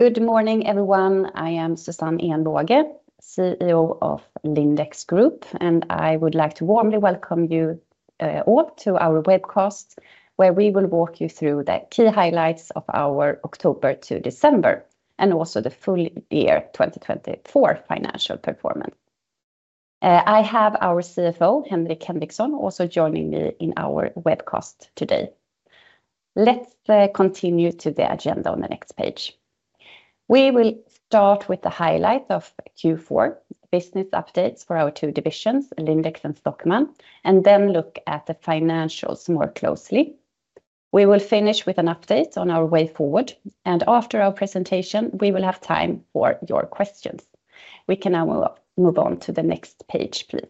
Good morning, everyone. I am Susanne Ehnbåge, CEO of Lindex Group, and I would like to warmly welcome you all to our webcast, where we will walk you through the key highlights of our October to December and also the full year 2024 financial performance. I have our CFO, Henrik Henriksson, also joining me in our webcast today. Let's continue to the agenda on the next page. We will start with the highlight of Q4, business updates for our two divisions, Lindex and Stockmann, and then look at the financials more closely. We will finish with an update on our way forward, and after our presentation, we will have time for your questions. We can now move on to the next page, please.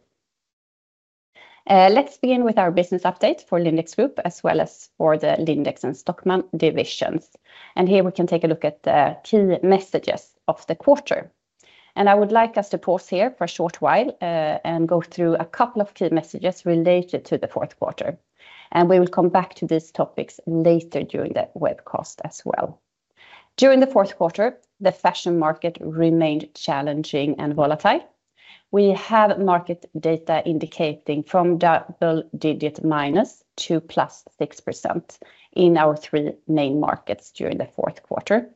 Let's begin with our business update for Lindex Group, as well as for the Lindex and Stockmann divisions. Here we can take a look at the key messages of the quarter. I would like us to pause here for a short while and go through a couple of key messages related to the fourth quarter. We will come back to these topics later during the webcast as well. During the fourth quarter, the fashion market remained challenging and volatile. We have market data indicating from double-digit minus to plus 6% in our three main markets during the fourth quarter.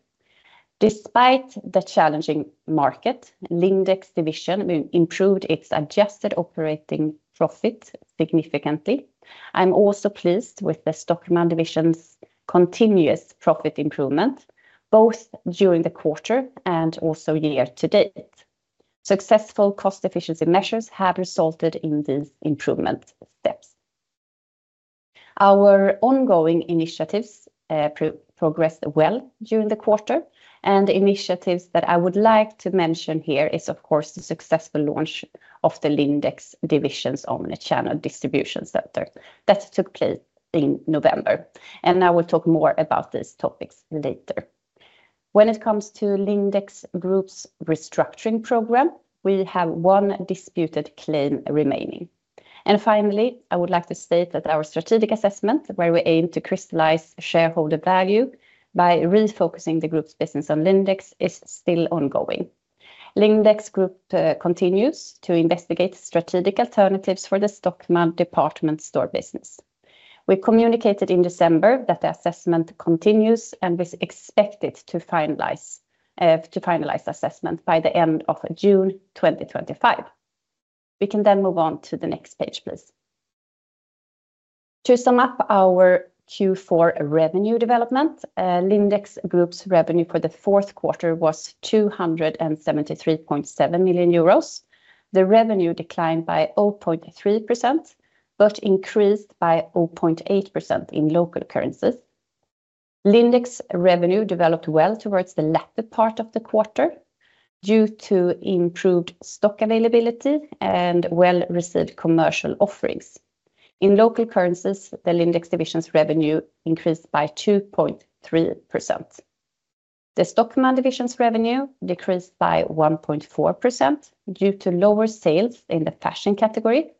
Despite the challenging market, Lindex division improved its adjusted operating profit significantly. I'm also pleased with the Stockmann division's continuous profit improvement, both during the quarter and also year to date. Successful cost efficiency measures have resulted in these improvement steps. Our ongoing initiatives progressed well during the quarter, and the initiatives that I would like to mention here is, of course, the successful launch of the Lindex division's Omnichannel Distribution Centre that took place in November. And I will talk more about these topics later. When it comes to Lindex Group's restructuring program, we have one disputed claim remaining. And finally, I would like to state that our strategic assessment, where we aim to crystallize shareholder value by refocusing the group's business on Lindex, is still ongoing. Lindex Group continues to investigate strategic alternatives for the Stockmann department store business. We communicated in December that the assessment continues and is expected to finalize assessment by the end of June 2025. We can then move on to the next page, please. To sum up our Q4 revenue development, Lindex Group's revenue for the fourth quarter was 273.7 million euros. The revenue declined by 0.3%, but increased by 0.8% in local currencies. Lindex revenue developed well towards the latter part of the quarter due to improved stock availability and well-received commercial offerings. In local currencies, the Lindex division's revenue increased by 2.3%. The Stockmann division's revenue decreased by 1.4% due to lower sales in the fashion category.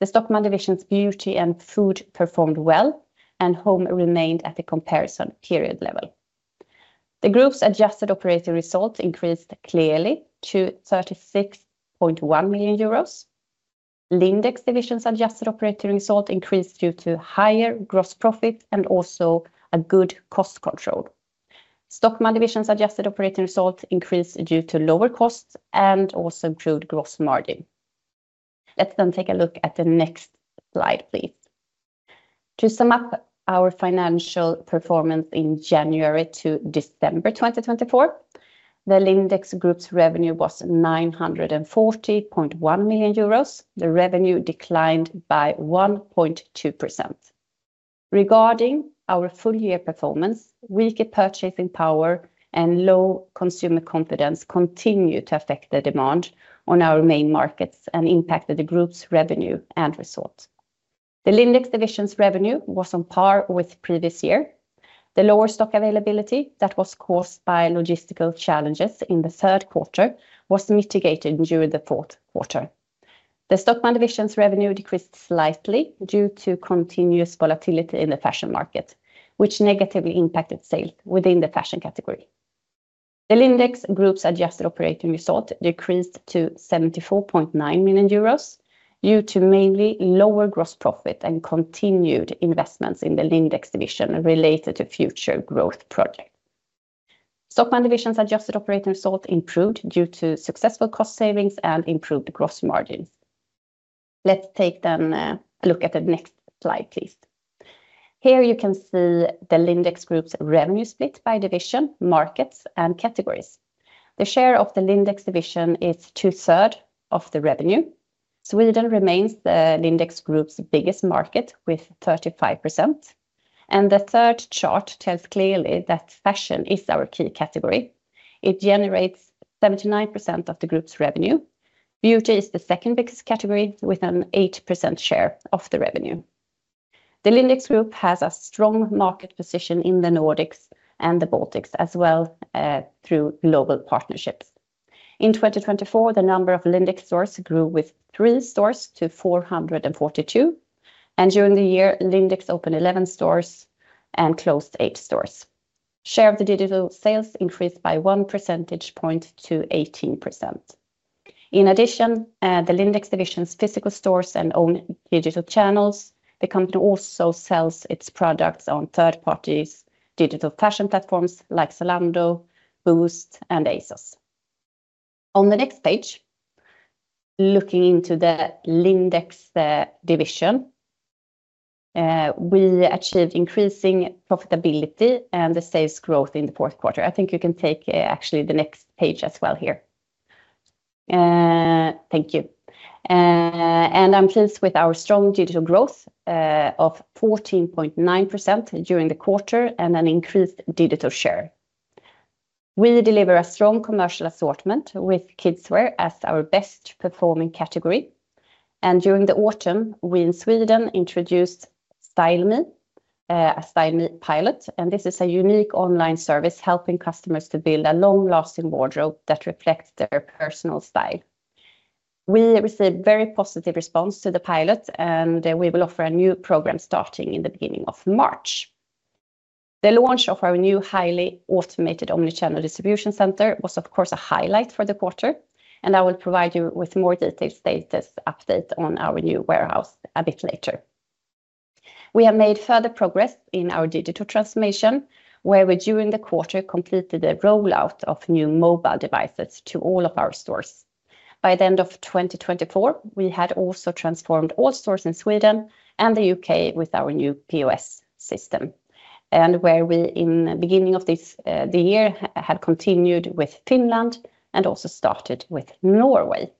The Stockmann division's beauty and food performed well, and home remained at the comparison period level. The group's adjusted operating result increased clearly to €36.1 million. Lindex division's adjusted operating result increased due to higher gross profit and also good cost control. Stockmann division's adjusted operating result increased due to lower costs and also improved gross margin. Let's then take a look at the next slide, please. To sum up our financial performance in January to December 2024, the Lindex Group's revenue was €940.1 million. The revenue declined by 1.2%. Regarding our full year performance, weaker purchasing power and low consumer confidence continue to affect the demand on our main markets and impacted the group's revenue and result. The Lindex division's revenue was on par with previous year. The lower stock availability that was caused by logistical challenges in the third quarter was mitigated during the fourth quarter. The Stockmann division's revenue decreased slightly due to continuous volatility in the fashion market, which negatively impacted sales within the fashion category. The Lindex Group's adjusted operating result decreased to €74.9 million due to mainly lower gross profit and continued investments in the Lindex division related to future growth projects. Stockmann division's adjusted operating result improved due to successful cost savings and improved gross margins. Let's take then a look at the next slide, please. Here you can see the Lindex Group's revenue split by division, markets, and categories. The share of the Lindex division is two-thirds of the revenue. Sweden remains the Lindex Group's biggest market with 35%. The third chart tells clearly that fashion is our key category. It generates 79% of the group's revenue. Beauty is the second biggest category with an 8% share of the revenue. The Lindex Group has a strong market position in the Nordics and the Baltics as well through global partnerships. In 2024, the number of Lindex stores grew with three stores to 442. During the year, Lindex opened 11 stores and closed eight stores. Share of the digital sales increased by one percentage point to 18%. In addition, the Lindex division's physical stores and own digital channels, the company also sells its products on third-party digital fashion platforms like Zalando, Boozt, and ASOS. On the next page, looking into the Lindex division, we achieved increasing profitability and the sales growth in the fourth quarter. I think you can take actually the next page as well here. Thank you. And I'm pleased with our strong digital growth of 14.9% during the quarter and an increased digital share. We deliver a strong commercial assortment with kids' wear as our best-performing category. And during the autumn, we in Sweden introduced StyleMe, a StyleMe pilot. And this is a unique online service helping customers to build a long-lasting wardrobe that reflects their personal style. We received very positive response to the pilot, and we will offer a new program starting in the beginning of March. The launch of our new highly automated Omnichannel Distribution Center was, of course, a highlight for the quarter. I will provide you with more detailed status update on our new warehouse a bit later. We have made further progress in our digital transformation, where we during the quarter completed the rollout of new mobile devices to all of our stores. By the end of 2024, we had also transformed all stores in Sweden and the U.K. with our new POS system, and where we in the beginning of the year had continued with Finland and also started with Norway.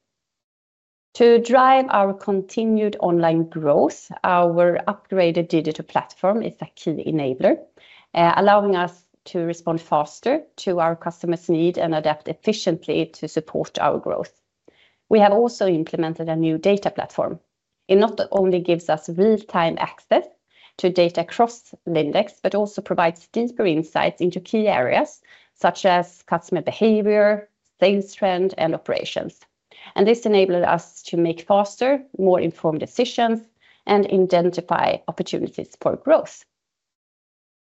To drive our continued online growth, our upgraded digital platform is a key enabler, allowing us to respond faster to our customers' needs and adapt efficiently to support our growth. We have also implemented a new data platform. It not only gives us real-time access to data across Lindex, but also provides deeper insights into key areas such as customer behavior, sales trend, and operations. This enabled us to make faster, more informed decisions and identify opportunities for growth.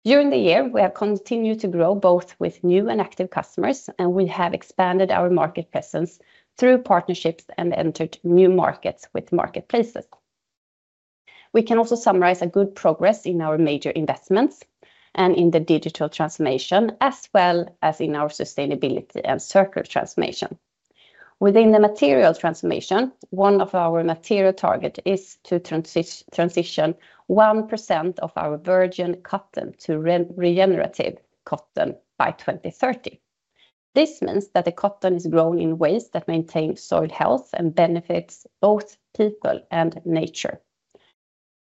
During the year, we have continued to grow both with new and active customers, and we have expanded our market presence through partnerships and entered new markets with marketplaces. We can also summarize a good progress in our major investments and in the digital transformation, as well as in our sustainability and circular transformation. Within the material transformation, one of our material targets is to transition 1% of our virgin cotton to regenerative cotton by 2030. This means that the cotton is grown in ways that maintain soil health and benefits both people and nature.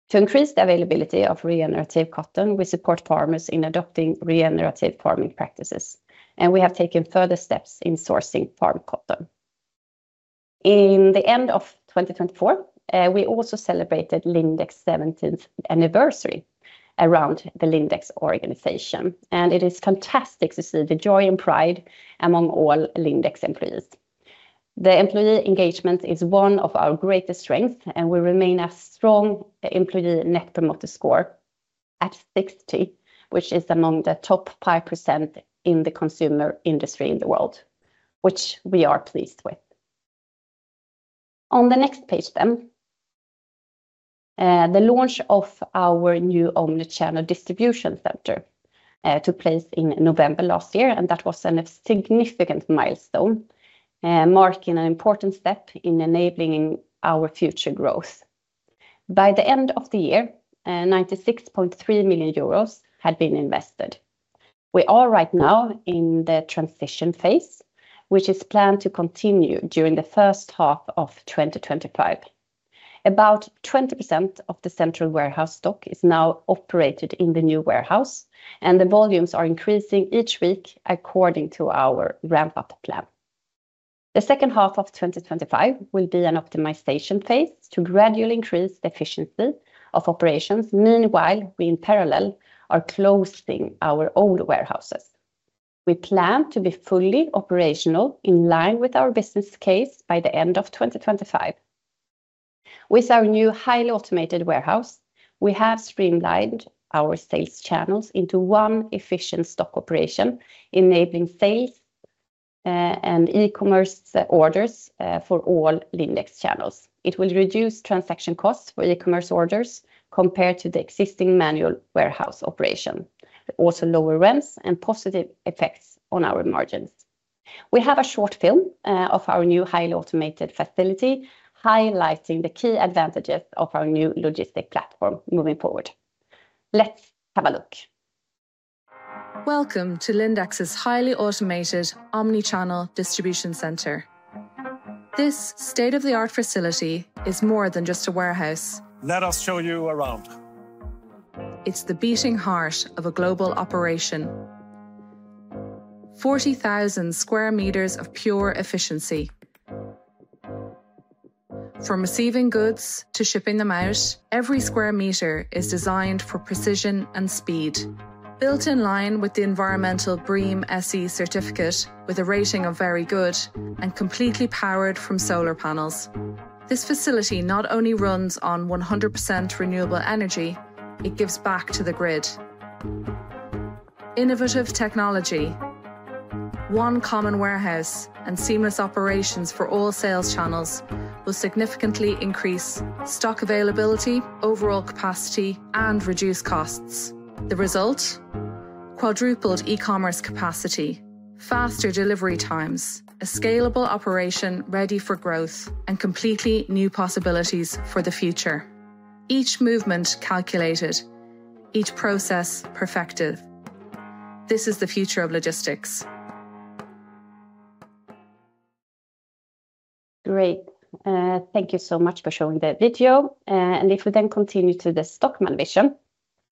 To increase the availability of regenerative cotton, we support farmers in adopting regenerative farming practices, and we have taken further steps in sourcing farmed cotton. In the end of 2024, we also celebrated Lindex's 70th anniversary around the Lindex organization, and it is fantastic to see the joy and pride among all Lindex employees. The employee engagement is one of our greatest strengths, and we remain a strong employee net promoter score at 60, which is among the top 5% in the consumer industry in the world, which we are pleased with. On the next page then, the launch of our new Omnichannel Distribution Center took place in November last year, and that was a significant milestone, marking an important step in enabling our future growth. By the end of the year, €96.3 million had been invested. We are right now in the transition phase, which is planned to continue during the first half of 2025. About 20% of the central warehouse stock is now operated in the new warehouse, and the volumes are increasing each week according to our ramp-up plan. The second half of 2025 will be an optimization phase to gradually increase the efficiency of operations. Meanwhile, we in parallel are closing our old warehouses. We plan to be fully operational in line with our business case by the end of 2025. With our new highly automated warehouse, we have streamlined our sales channels into one efficient stock operation, enabling sales and e-commerce orders for all Lindex channels. It will reduce transaction costs for e-commerce orders compared to the existing manual warehouse operation, also lower rents and positive effects on our margins. We have a short film of our new highly automated facility highlighting the key advantages of our new logistics platform moving forward. Let's have a look. Welcome to Lindex's highly automated Omnichannel Distribution Centre. This state-of-the-art facility is more than just a warehouse. Let us show you around. It's the beating heart of a global operation. 40,000 square meters of pure efficiency. From receiving goods to shipping them out, every square meter is designed for precision and speed. Built in line with the environmental BREEAM SE certificate, with a rating of very good and completely powered from solar panels. This facility not only runs on 100% renewable energy, it gives back to the grid. Innovative technology. One common warehouse and seamless operations for all sales channels will significantly increase stock availability, overall capacity, and reduce costs. The result? Quadrupled e-commerce capacity, faster delivery times, a scalable operation ready for growth, and completely new possibilities for the future. Each movement calculated, each process perfected. This is the future of logistics. Great. Thank you so much for showing the video. And if we then continue to the Stockmann division,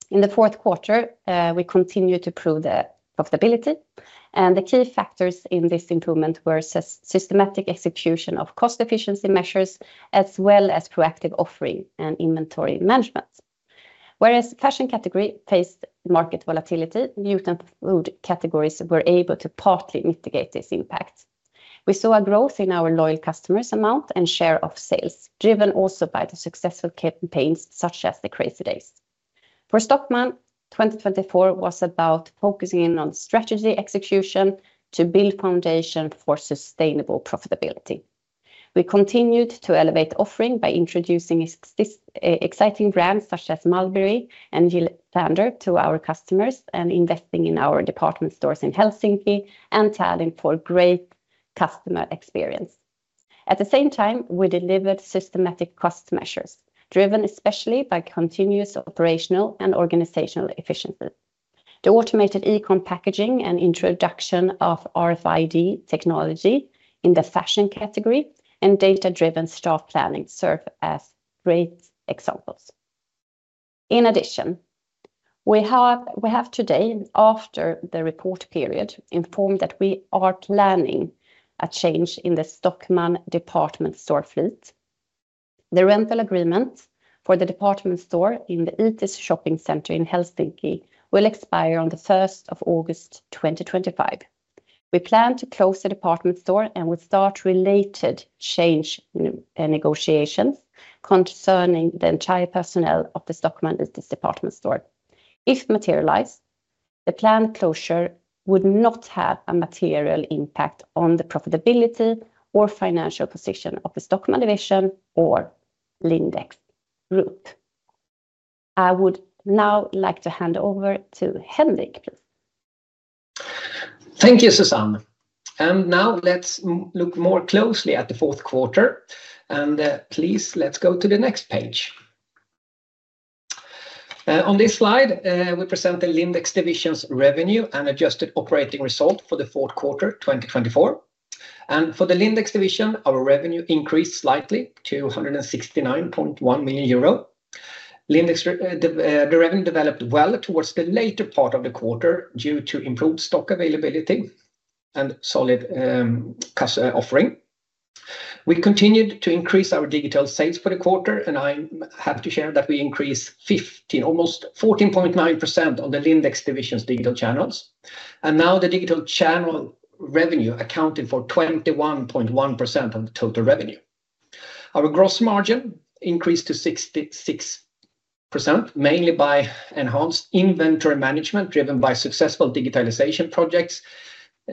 in the fourth quarter, we continue to prove the profitability. And the key factors in this improvement were systematic execution of cost efficiency measures, as well as proactive offering and inventory management. Whereas fashion category faced market volatility, beauty and food categories were able to partly mitigate this impact. We saw a growth in our loyal customers' amount and share of sales, driven also by the successful campaigns such as the Crazy Days. For Stockmann, 2024 was about focusing in on strategy execution to build foundation for sustainable profitability. We continued to elevate offering by introducing exciting brands such as Mulberry and Little Liffner to our customers and investing in our department stores in Helsinki and Tallinn for great customer experience. At the same time, we delivered systematic cost measures driven especially by continuous operational and organizational efficiency. The automated e-com packaging and introduction of RFID technology in the fashion category and data-driven staff planning serve as great examples. In addition, we have today, after the report period, informed that we are planning a change in the Stockmann department store fleet. The rental agreement for the department store in the Itis shopping centre in Helsinki will expire on the 1st of August 2025. We plan to close the department store and will start related change negotiations concerning the entire personnel of the Stockmann Itis department store. If materialized, the planned closure would not have a material impact on the profitability or financial position of the Stockmann division or Lindex Group. I would now like to hand over to Henrik, please. Thank you, Susanne. Now let's look more closely at the fourth quarter. Please, let's go to the next page. On this slide, we present the Lindex division's revenue and adjusted operating result for the fourth quarter 2024. For the Lindex division, our revenue increased slightly to 169.1 million euro. The revenue developed well towards the later part of the quarter due to improved stock availability and solid offering. We continued to increase our digital sales for the quarter, and I'm happy to share that we increased 15, almost 14.9% on the Lindex division's digital channels. Now the digital channel revenue accounted for 21.1% of the total revenue. Our gross margin increased to 66%, mainly by enhanced inventory management driven by successful digitalization projects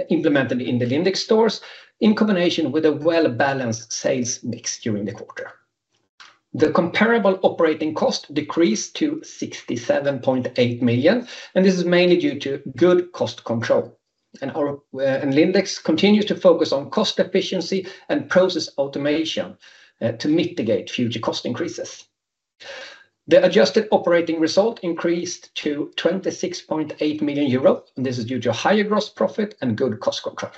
implemented in the Lindex stores in combination with a well-balanced sales mix during the quarter. The comparable operating cost decreased to €67.8 million, and this is mainly due to good cost control. Lindex continues to focus on cost efficiency and process automation to mitigate future cost increases. The adjusted operating result increased to €26.8 million, and this is due to higher gross profit and good cost control.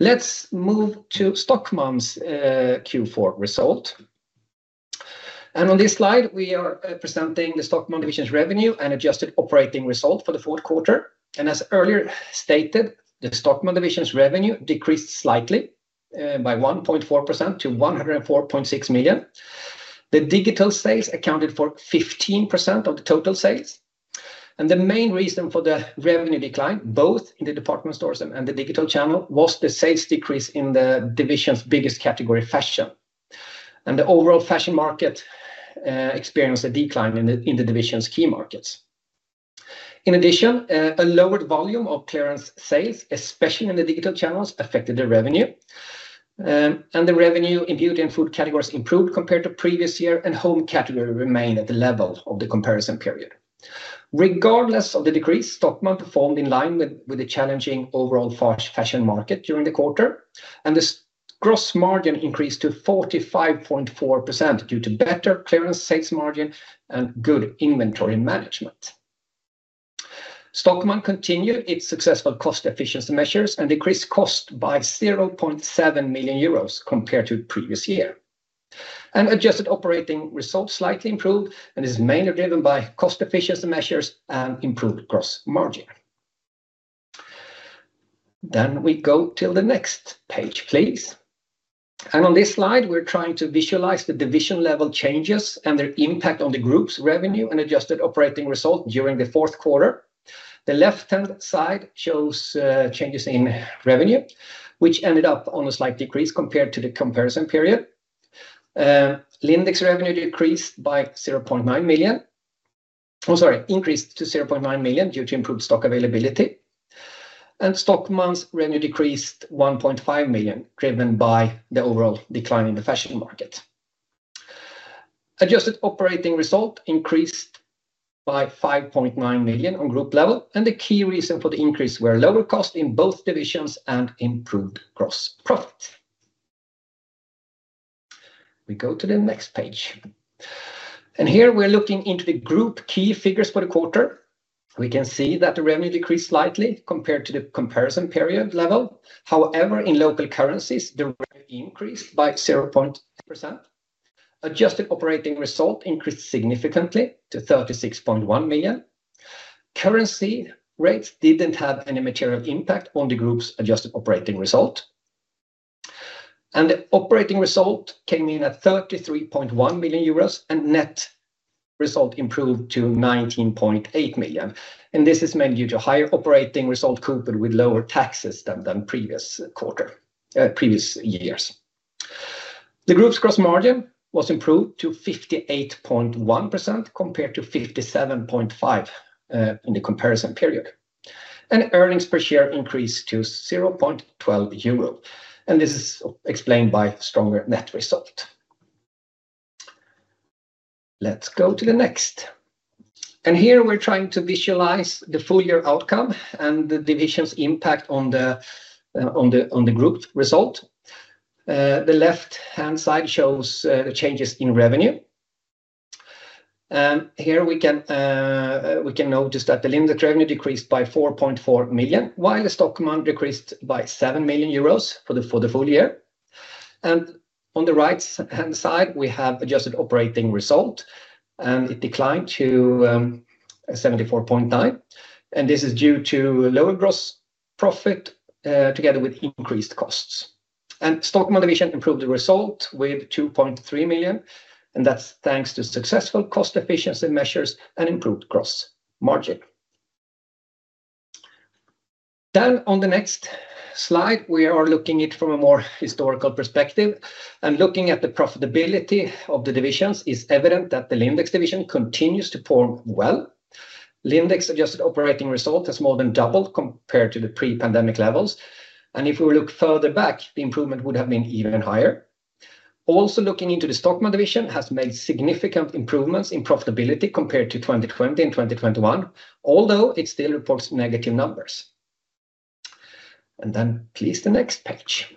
Let's move to Stockmann's Q4 result. On this slide, we are presenting the Stockmann division's revenue and adjusted operating result for the fourth quarter. As earlier stated, the Stockmann division's revenue decreased slightly by 1.4% to €104.6 million. The digital sales accounted for 15% of the total sales. The main reason for the revenue decline, both in the department stores and the digital channel, was the sales decrease in the division's biggest category, fashion. The overall fashion market experienced a decline in the division's key markets. In addition, a lowered volume of clearance sales, especially in the digital channels, affected the revenue, and the revenue in beauty and food categories improved compared to previous year, and home category remained at the level of the comparison period. Regardless of the decrease, Stockmann performed in line with the challenging overall fashion market during the quarter, and the gross margin increased to 45.4% due to better clearance sales margin and good inventory management. Stockmann continued its successful cost efficiency measures and decreased cost by € 0.7 million compared to previous year, and adjusted operating result slightly improved and is mainly driven by cost efficiency measures and improved gross margin. Then we go to the next page, please, and on this slide, we're trying to visualize the division-level changes and their impact on the group's revenue and adjusted operating result during the fourth quarter. The left-hand side shows changes in revenue, which ended up on a slight decrease compared to the comparison period. Lindex revenue decreased by 0.9 million. Oh, sorry, increased to 0.9 million due to improved stock availability. And Stockmann's revenue decreased 1.5 million, driven by the overall decline in the fashion market. Adjusted operating result increased by 5.9 million on group level, and the key reason for the increase were lower costs in both divisions and improved gross profit. We go to the next page, and here we're looking into the group key figures for the quarter. We can see that the revenue decreased slightly compared to the comparison period level. However, in local currencies, the revenue increased by 0.8%. Adjusted operating result increased significantly to 36.1 million. Currency rates didn't have any material impact on the group's adjusted operating result. And the operating result came in at €33.1 million and net result improved to €19.8 million. And this is mainly due to higher operating result coupled with lower taxes than previous quarter, previous years. The group's gross margin was improved to 58.1% compared to 57.5% in the comparison period. And earnings per share increased to €0.12. And this is explained by stronger net result. Let's go to the next. And here we're trying to visualize the full year outcome and the division's impact on the group result. The left-hand side shows the changes in revenue. And here we can notice that the Lindex revenue decreased by €4.4 million, while the Stockmann decreased by €7 million for the full year. And on the right-hand side, we have adjusted operating result, and it declined to €74.9. And this is due to lower gross profit together with increased costs. Stockmann division improved the result with €2.3 million, and that's thanks to successful cost efficiency measures and improved gross margin. Then on the next slide, we are looking at it from a more historical perspective. Looking at the profitability of the divisions, it is evident that the Lindex division continues to perform well. Lindex adjusted operating result has more than doubled compared to the pre-pandemic levels. If we look further back, the improvement would have been even higher. Also looking into the Stockmann division has made significant improvements in profitability compared to 2020 and 2021, although it still reports negative numbers. Then please the next page.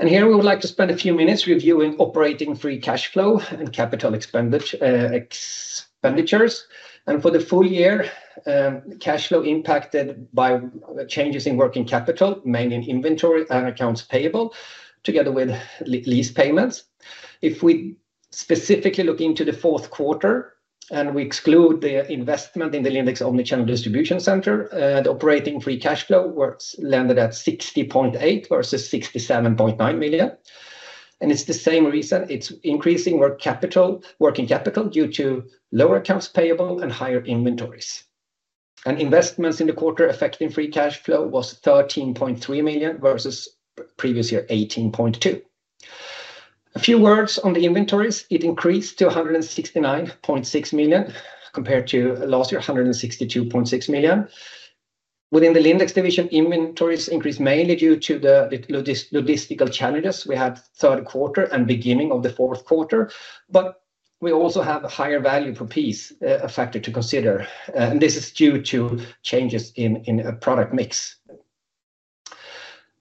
Here we would like to spend a few minutes reviewing operating free cash flow and capital expenditures. And for the full year, cash flow impacted by changes in working capital, mainly in inventory and accounts payable, together with lease payments. If we specifically look into the fourth quarter and we exclude the investment in the Lindex Omnichannel Distribution Centre, the operating free cash flow was landed at 60.8 million versus 67.9 million. And it's the same reason it's increasing working capital due to lower accounts payable and higher inventories. And investments in the quarter affecting free cash flow was 13.3 million versus previous year 18.2 million. A few words on the inventories. It increased to 169.6 million compared to last year 162.6 million. Within the Lindex division, inventories increased mainly due to the logistical challenges we had third quarter and beginning of the fourth quarter. But we also have a higher value per piece factor to consider. And this is due to changes in product mix.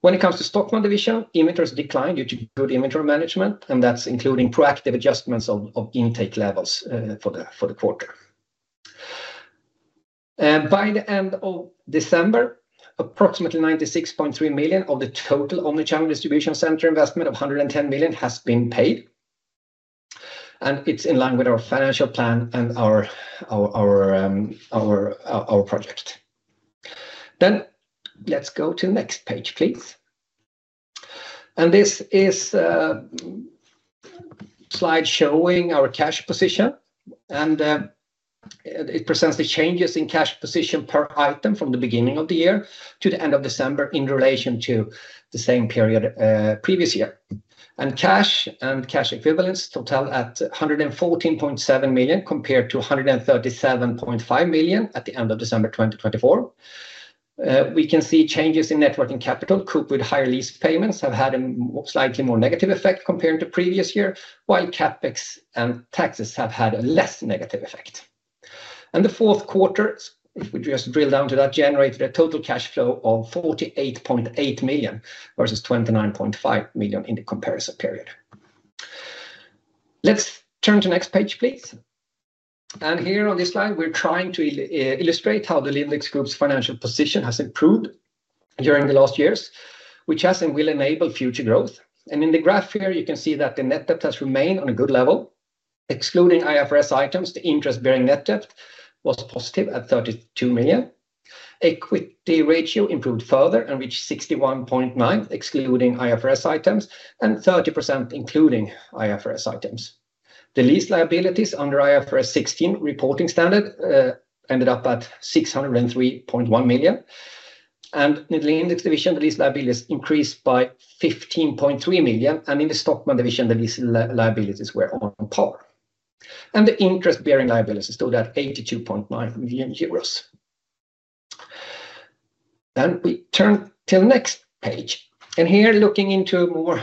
When it comes to Stockmann division, inventories declined due to good inventory management, and that's including proactive adjustments of intake levels for the quarter. By the end of December, approximately €96.3 million of the total Omnichannel Distribution Centre investment of €110 million has been paid. And it's in line with our financial plan and our project. Then let's go to the next page, please. And this is a slide showing our cash position. And it presents the changes in cash position per item from the beginning of the year to the end of December in relation to the same period previous year. And cash and cash equivalents total at €114.7 million compared to €137.5 million at the end of December 2024. We can see changes in net working capital coupled with higher lease payments have had a slightly more negative effect compared to previous year, while CapEx and taxes have had a less negative effect. And the fourth quarter, if we just drill down to that, generated a total cash flow of € 48.8 million versus € 29.5 million in the comparison period. Let's turn to the next page, please. And here on this slide, we're trying to illustrate how the Lindex Group's financial position has improved during the last years, which has and will enable future growth. And in the graph here, you can see that the net debt has remained on a good level. Excluding IFRS items, the interest-bearing net debt was positive at € 32 million. Equity ratio improved further and reached 61.9%, excluding IFRS items, and 30% including IFRS items. The lease liabilities under IFRS 16 reporting standard ended up at €603.1 million. In the Lindex division, the lease liabilities increased by €15.3 million. In the Stockmann division, the lease liabilities were on par. The interest-bearing liabilities stood at €82.9 million. We turn to the next page. Here, looking into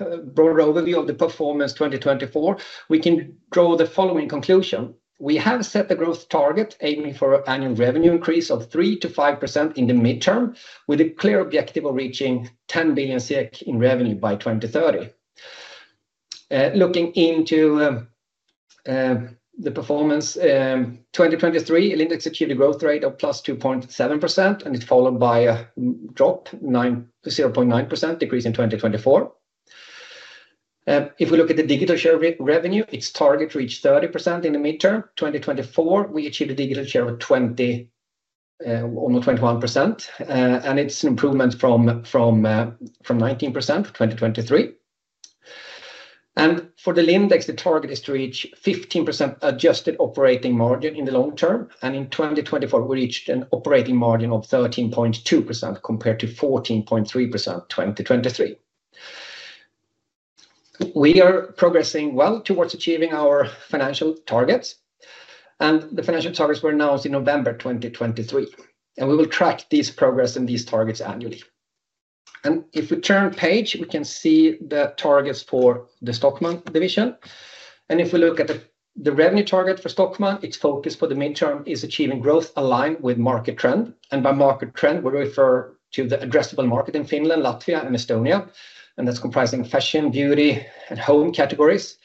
a more broader overview of the performance 2024, we can draw the following conclusion. We have set the growth target, aiming for annual revenue increase of 3%-5% in the midterm, with a clear objective of reaching €10 billion in revenue by 2030. Looking into the performance 2023, Lindex achieved a growth rate of plus 2.7%, and it's followed by a drop, 0.9% decrease in 2024. If we look at the digital share revenue, its target reached 30% in the midterm. 2024, we achieved a digital share of 20, almost 21%, and it's an improvement from 19% for 2023, and for Lindex, the target is to reach 15% adjusted operating margin in the long term, and in 2024, we reached an operating margin of 13.2% compared to 14.3% in 2023. We are progressing well towards achieving our financial targets, and the financial targets were announced in November 2023, and we will track this progress and these targets annually, and if we turn page, we can see the targets for the Stockmann division, and if we look at the revenue target for Stockmann, its focus for the midterm is achieving growth aligned with market trend, and by market trend, we refer to the addressable market in Finland, Latvia, and Estonia, and that's comprising fashion, beauty, and home categories.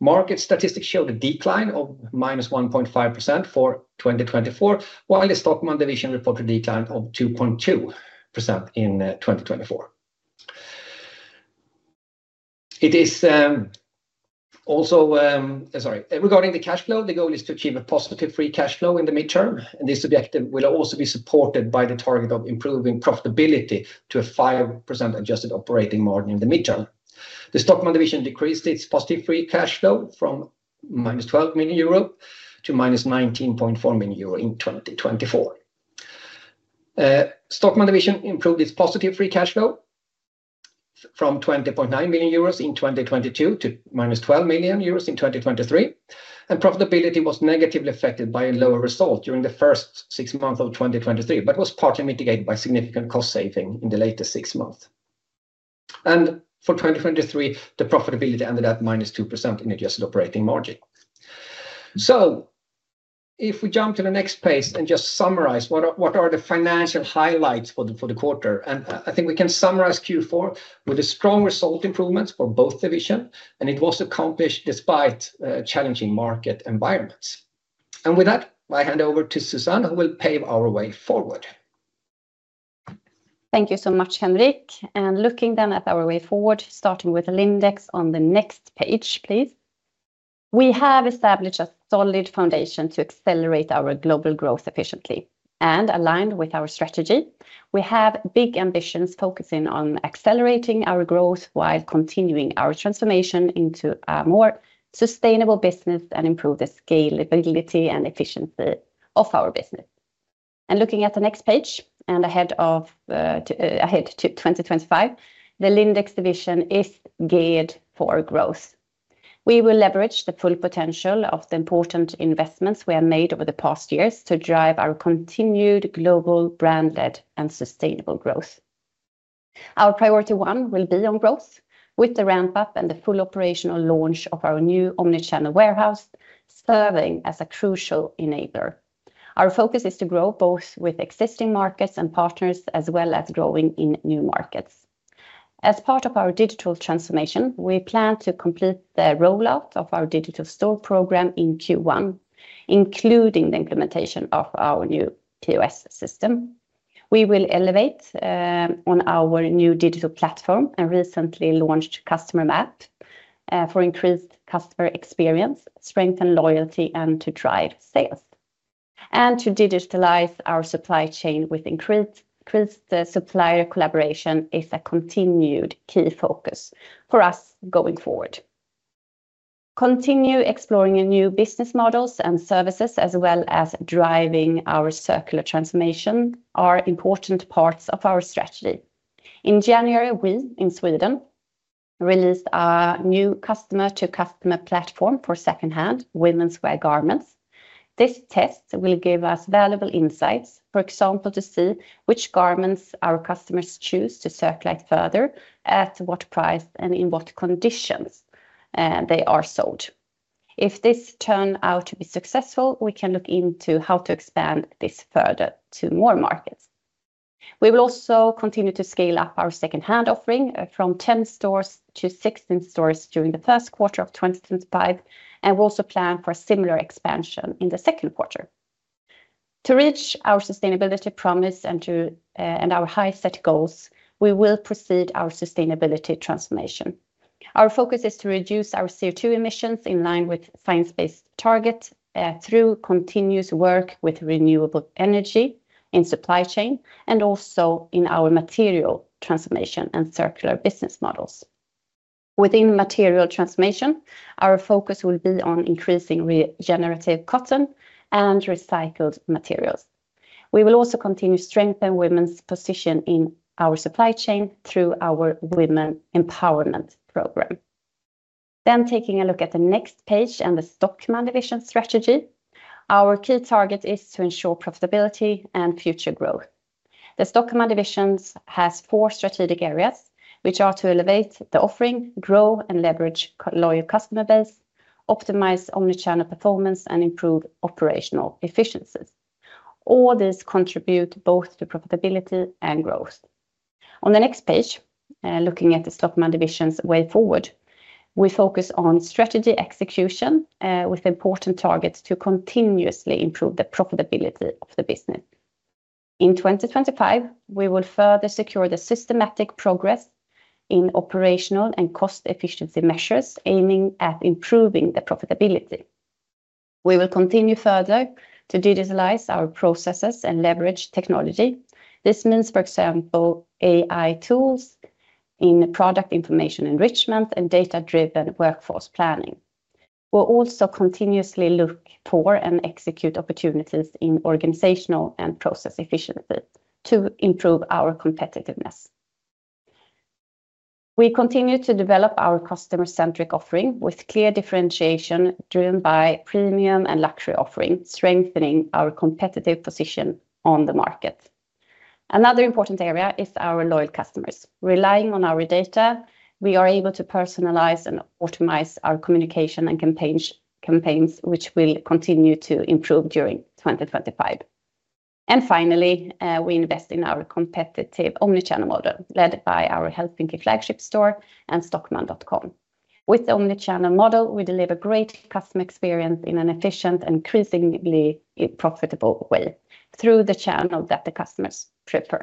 Market statistics showed a decline of minus 1.5% for 2024, while the Stockmann division reported a decline of 2.2% in 2024. It is also, sorry, regarding the cash flow, the goal is to achieve a positive free cash flow in the midterm. And this objective will also be supported by the target of improving profitability to a 5% adjusted operating margin in the midterm. The Stockmann division decreased its positive free cash flow from minus 12 million euro to minus 19.4 million euro in 2024. Stockmann division improved its positive free cash flow from 20.9 million euros in 2022 to minus 12 million euros in 2023. And profitability was negatively affected by a lower result during the first six months of 2023, but was partly mitigated by significant cost saving in the latest six months. And for 2023, the profitability ended at minus 2% in adjusted operating margin. If we jump to the next page and just summarize what are the financial highlights for the quarter, and I think we can summarize Q4 with a strong result improvement for both divisions, and it was accomplished despite challenging market environments. With that, I hand over to Susanne, who will pave our way forward. Thank you so much, Henrik. Looking then at our way forward, starting with Lindex on the next page, please. We have established a solid foundation to accelerate our global growth efficiently. Aligned with our strategy, we have big ambitions focusing on accelerating our growth while continuing our transformation into a more sustainable business and improved the scalability and efficiency of our business. Looking at the next page and ahead to 2025, the Lindex division is geared for growth. We will leverage the full potential of the important investments we have made over the past years to drive our continued global brand-led and sustainable growth. Our priority one will be on growth, with the ramp-up and the full operational launch of our new omnichannel warehouse serving as a crucial enabler. Our focus is to grow both with existing markets and partners, as well as growing in new markets. As part of our digital transformation, we plan to complete the rollout of our digital store program in Q1, including the implementation of our new POS system. We will elevate on our new digital platform and recently launched customer app for increased customer experience, strengthen loyalty, and to drive sales, and to digitalize our supply chain with increased supplier collaboration is a continued key focus for us going forward. Continue exploring new business models and services, as well as driving our circular transformation, are important parts of our strategy. In January, we in Sweden released our new customer-to-customer platform for second-hand women's wear garments. This test will give us valuable insights, for example, to see which garments our customers choose to circulate further, at what price, and in what conditions they are sold. If this turns out to be successful, we can look into how to expand this further to more markets. We will also continue to scale up our second-hand offering from 10 stores to 16 stores during the first quarter of 2025, and we also plan for a similar expansion in the second quarter. To reach our sustainability promise and our high-set goals, we will proceed with our sustainability transformation. Our focus is to reduce our CO2 emissions in line with science-based targets through continuous work with renewable energy in supply chain and also in our material transformation and circular business models. Within material transformation, our focus will be on increasing regenerative cotton and recycled materials. We will also continue to strengthen women's position in our supply chain through our women empowerment program. Then taking a look at the next page and the Stockmann division strategy, our key target is to ensure profitability and future growth. The Stockmann division has four strategic areas, which are to elevate the offering, grow and leverage a loyal customer base, optimize omnichannel performance, and improve operational efficiencies. All these contribute both to profitability and growth. On the next page, looking at the Stockmann division's way forward, we focus on strategy execution with important targets to continuously improve the profitability of the business. In 2025, we will further secure the systematic progress in operational and cost efficiency measures aiming at improving the profitability. We will continue further to digitalize our processes and leverage technology. This means, for example, AI tools in product information enrichment and data-driven workforce planning. We'll also continuously look for and execute opportunities in organizational and process efficiency to improve our competitiveness. We continue to develop our customer-centric offering with clear differentiation driven by premium and luxury offering, strengthening our competitive position on the market. Another important area is our loyal customers. Relying on our data, we are able to personalize and optimize our communication and campaigns, which will continue to improve during 2025. And finally, we invest in our competitive omnichannel model led by our Helsinki flagship store and Stockmann.com. With the Omnichannel model, we deliver great customer experience in an efficient and increasingly profitable way through the channel that the customers prefer.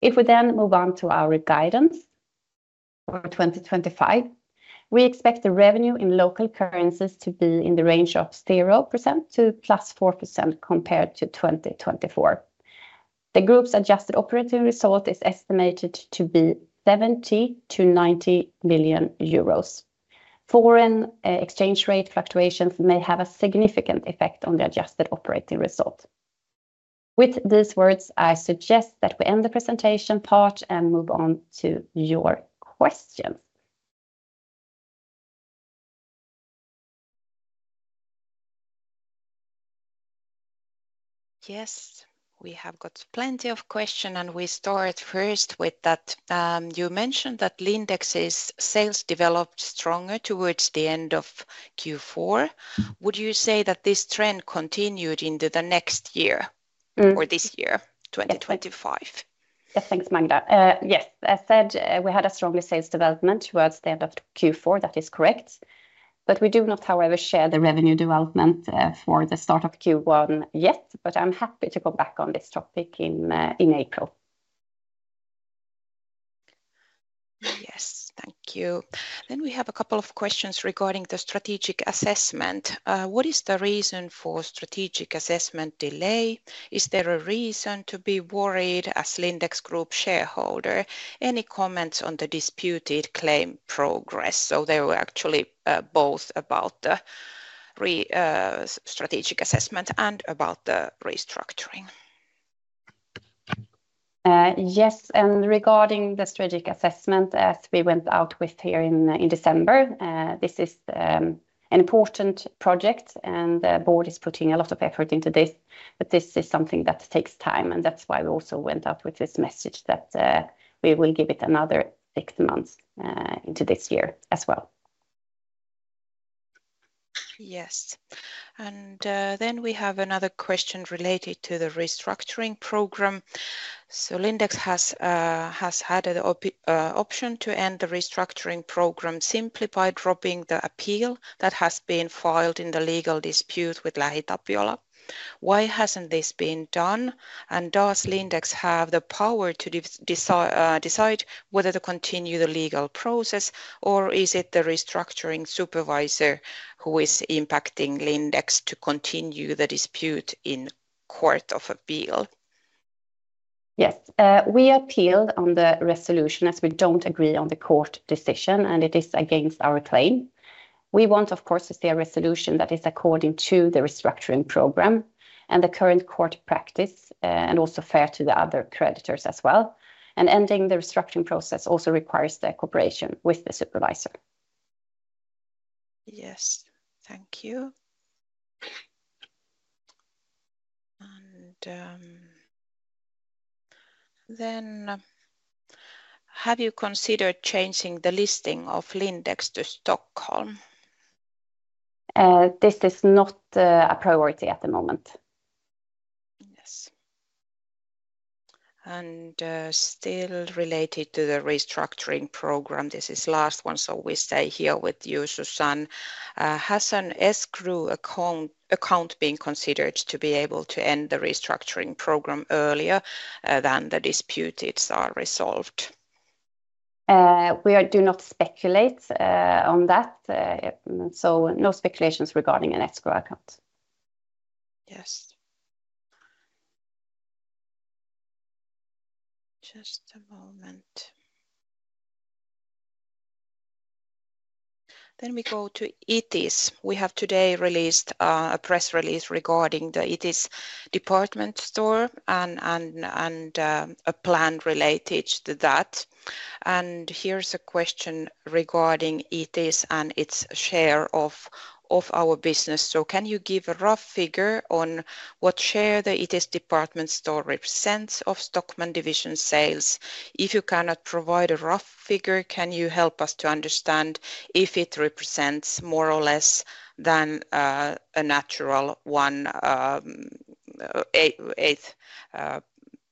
If we then move on to our guidance for 2025, we expect the revenue in local currencies to be in the range of 0% to +4% compared to 2024. The group's adjusted operating result is estimated to be €70-€90 million. Foreign exchange rate fluctuations may have a significant effect on the adjusted operating result. With these words, I suggest that we end the presentation part and move on to your questions. Yes, we have got plenty of questions, and we start first with that. You mentioned that Lindex's sales developed stronger towards the end of Q4. Would you say that this trend continued into the next year or this year, 2025? Yes, thanks, Magda. Yes, as said, we had a stronger sales development towards the end of Q4. That is correct. But we do not, however, share the revenue development for the start of Q1 yet, but I'm happy to go back on this topic in April. Yes, thank you. Then we have a couple of questions regarding the strategic assessment. What is the reason for strategic assessment delay? Is there a reason to be worried as Lindex Group shareholder? Any comments on the disputed claim progress? So they were actually both about the strategic assessment and about the restructuring. Yes, and regarding the strategic assessment, as we went out with here in December, this is an important project, and the board is putting a lot of effort into this. But this is something that takes time, and that's why we also went out with this message that we will give it another six months into this year as well. Yes, and then we have another question related to the restructuring program. So Lindex has had the option to end the restructuring program simply by dropping the appeal that has been filed in the legal dispute with LähiTapiola. Why hasn't this been done? And does Lindex have the power to decide whether to continue the legal process, or is it the restructuring supervisor who is impacting Lindex to continue the dispute in court of appeal? Yes, we appealed on the resolution as we don't agree on the court decision, and it is against our claim. We want, of course, to see a resolution that is according to the restructuring program and the current court practice and also fair to the other creditors as well, and ending the restructuring process also requires the cooperation with the supervisor. Yes, thank you, and then have you considered changing the listing of Lindex to Stockholm? This is not a priority at the moment. Yes, and still related to the restructuring program, this is the last one we say here with you, Susanne. Has an escrow account been considered to be able to end the restructuring program earlier than the disputes are resolved? We do not speculate on that, so no speculations regarding an escrow account. Yes. Just a moment, then we go to Itis. We have today released a press release regarding the Itis department store and a plan related to that. Here's a question regarding Itis and its share of our business. Can you give a rough figure on what share the Itis department store represents of Stockmann division sales? If you cannot provide a rough figure, can you help us to understand if it represents more or less than a natural one-eighth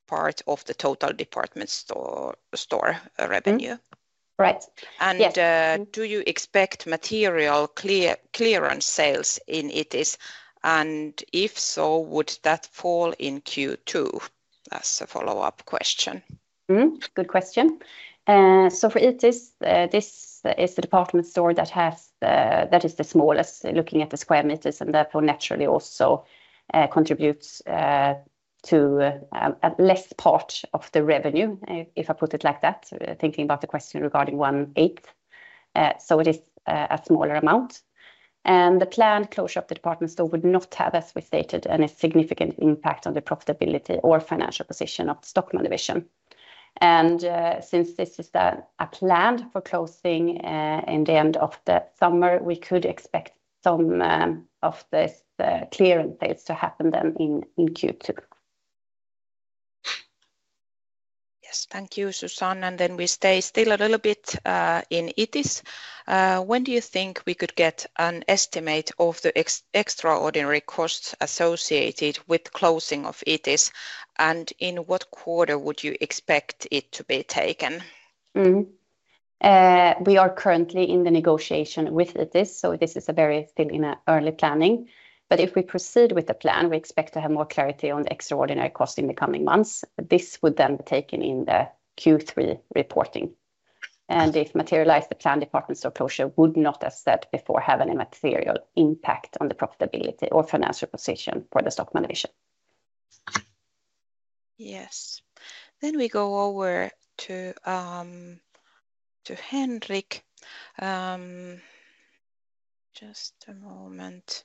part of the total department store revenue? Right. Do you expect material clearance sales in Itis? If so, would that fall in Q2? That's a follow-up question. Good question. For Itis, this is the department store that is the smallest, looking at the square meters, and therefore naturally also contributes to a less part of the revenue, if I put it like that, thinking about the question regarding one-eighth. It is a smaller amount. The planned closure of the department store would not have, as we stated, any significant impact on the profitability or financial position of the Stockmann division. Since this is a plan for closing in the end of the summer, we could expect some of this clearance sales to happen then in Q2. Yes, thank you, Susanne. We stay still a little bit in Itis. When do you think we could get an estimate of the extraordinary costs associated with closing of Itis, and in what quarter would you expect it to be taken? We are currently in the negotiation with Itis, so this is still in early planning. If we proceed with the plan, we expect to have more clarity on the extraordinary costs in the coming months. This would then be taken in the Q3 reporting. If materialized, the planned department store closure would not, as said before, have any material impact on the profitability or financial position for the Stockmann division. Yes. Then we go over to Henrik. Just a moment.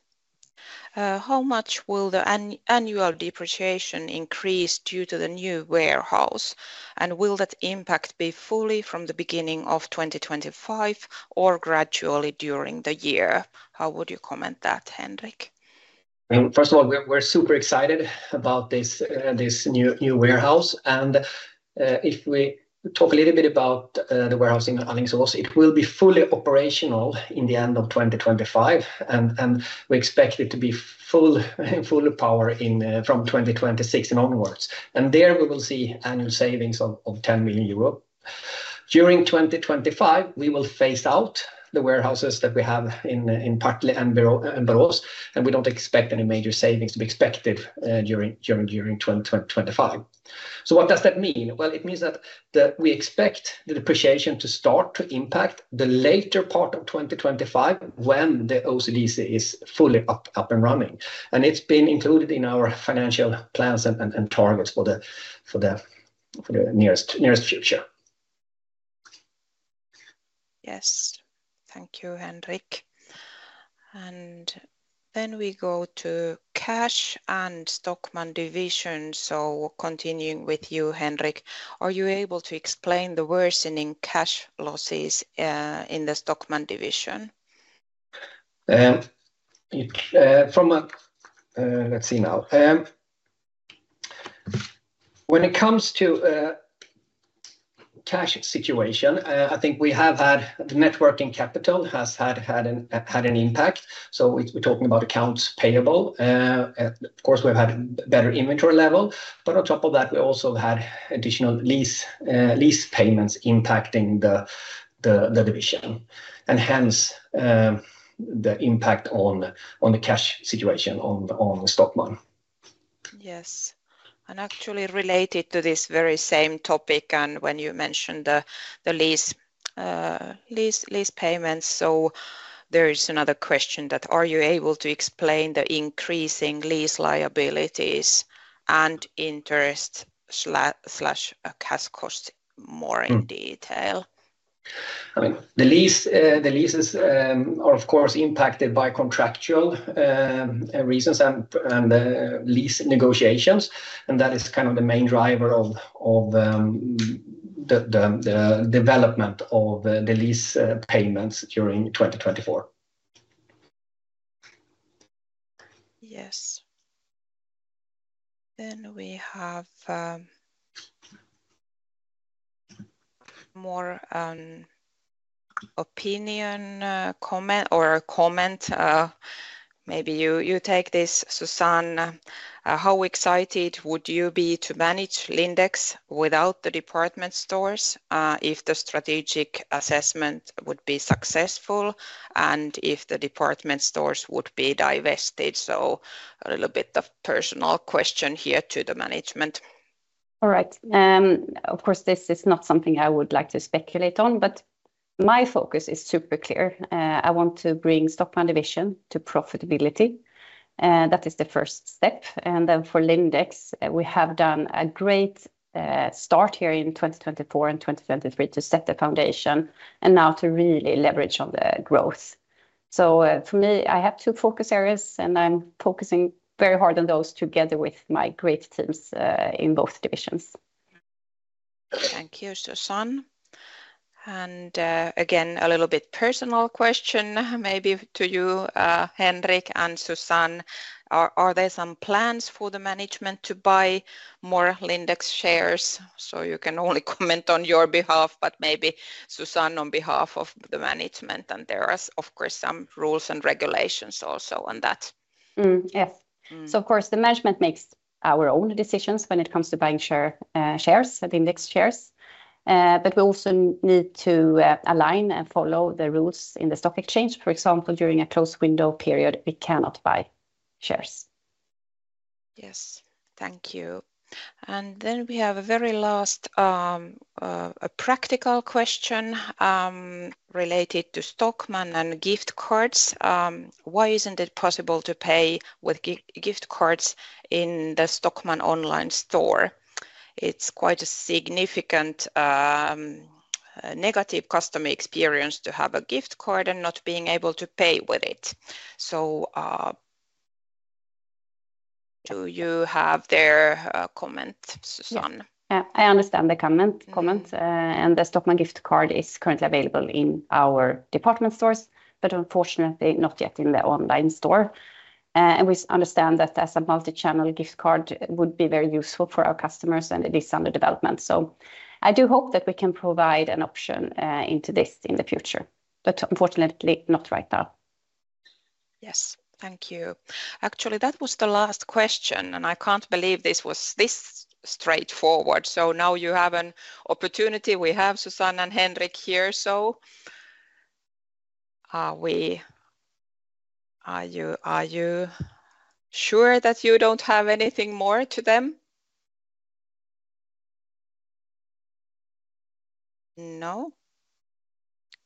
How much will the annual depreciation increase due to the new warehouse, and will that impact be fully from the beginning of 2025 or gradually during the year? How would you comment that, Henrik? First of all, we're super excited about this new warehouse. And if we talk a little bit about the warehouse in Alingsås, it will be fully operational in the end of 2025, and we expect it to be full power from 2026 and onwards. And there we will see annual savings of € 10 million. During 2025, we will phase out the warehouses that we have in Partille and Borås, and we don't expect any major savings to be expected during 2025. So what does that mean? Well, it means that we expect the depreciation to start to impact the later part of 2025 when the OCDC is fully up and running. And it's been included in our financial plans and targets for the nearest future. Yes, thank you, Henrik. And then we go to cash and Stockmann division. So continuing with you, Henrik, are you able to explain the worsening cash losses in the Stockmann division? Let's see now. When it comes to cash situation, I think we have had the net working capital has had an impact. So we're talking about accounts payable. Of course, we've had better inventory level, but on top of that, we also had additional lease payments impacting the division, and hence the impact on the cash situation on Stockmann. Yes. And actually related to this very same topic and when you mentioned the lease payments, so there is another question that are you able to explain the increasing lease liabilities and interest/cash costs more in detail? I mean, the leases are, of course, impacted by contractual reasons and lease negotiations, and that is kind of the main driver of the development of the lease payments during 2024. Yes. Then we have more opinion or comment. Maybe you take this, Susanne. How excited would you be to manage Lindex without the department stores if the strategic assessment would be successful and if the department stores would be divested? So a little bit of personal question here to the management. All right. Of course, this is not something I would like to speculate on, but my focus is super clear. I want to bring Stockmann division to profitability. That is the first step. And then for Lindex, we have done a great start here in 2024 and 2023 to set the foundation and now to really leverage on the growth. So for me, I have two focus areas, and I'm focusing very hard on those together with my great teams in both divisions. Thank you, Susanne. And again, a little bit personal question maybe to you, Henrik and Susanne. Are there some plans for the management to buy more Lindex shares? So you can only comment on your behalf, but maybe Susanne on behalf of the management. And there are, of course, some rules and regulations also on that. Yes. Of course, the management makes our own decisions when it comes to buying shares, Lindex shares. But we also need to align and follow the rules in the stock exchange. For example, during a closed window period, we cannot buy shares. Yes, thank you. We have a very last practical question related to Stockmann and gift cards. Why isn't it possible to pay with gift cards in the Stockmann online store? It's quite a significant negative customer experience to have a gift card and not being able to pay with it. Do you have their comment, Susanne? Yeah, I understand the comment. The Stockmann gift card is currently available in our department stores, but unfortunately not yet in the online store. We understand that a multi-channel gift card would be very useful for our customers, and it is under development. So I do hope that we can provide an option into this in the future, but unfortunately not right now. Yes, thank you. Actually, that was the last question, and I can't believe this was this straightforward. Now you have an opportunity. We have Susanne and Henrik here. Are you sure that you don't have anything more to them? No?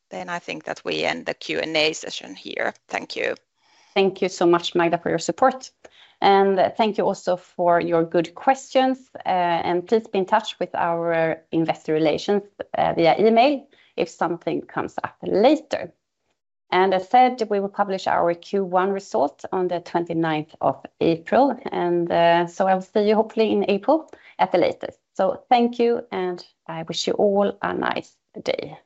Then I think that we end the Q&A session here. Thank you. Thank you so much, Magda, for your support. Thank you also for your good questions. Please be in touch with our investor relations via email if something comes up later. As said, we will publish our Q1 result on the 29th of April. I will see you hopefully in April at the latest. Thank you, and I wish you all a nice day.